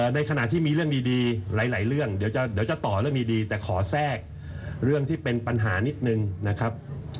ในขณะที่มีเรื่องดีหลายเรื่องเดี๋ยวจะต่อเรื่องดีแต่ขอแทรกเรื่องที่เป็นปัญหานิดนึงนะครับ